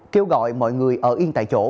kêu gọi mọi người ở yên tại chỗ